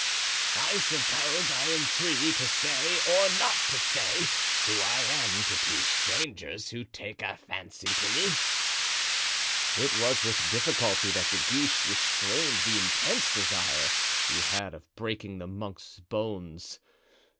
"I suppose I am free to say or not to say who I am to two strangers who take a fancy to ask me." It was with difficulty that De Guiche restrained the intense desire he had of breaking the monk's bones.